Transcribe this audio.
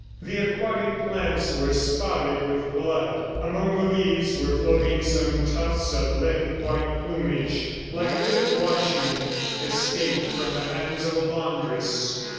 The aquatic plants were spotted with blood; among the leaves were floating some tufts of limp white plumage like a bit of washing escaped from the hands of a laundress.